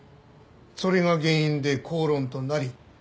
それが原因で口論となり殺害した。